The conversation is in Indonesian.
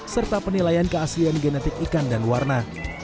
serta penilaian keaslian genetik ikan dan warna